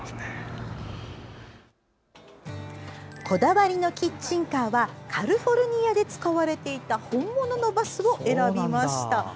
こだわりのキッチンカーはカリフォルニアで使われていた本物のバスを選びました。